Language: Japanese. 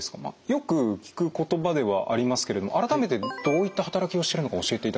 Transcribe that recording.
よく聞く言葉ではありますけれども改めてどういった働きをしてるのか教えていただけますか？